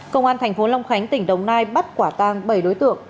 công an tp long khánh tỉnh đồng nai bắt quả tăng bảy đối tượng